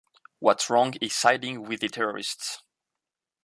What's wrong is siding with the terrorists.